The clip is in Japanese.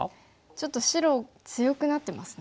ちょっと白強くなってますね。